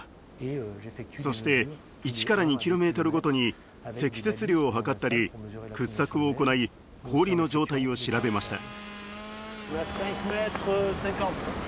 そして１から２キロメートルごとに積雪量を測ったり掘削を行い氷の状態を調べました。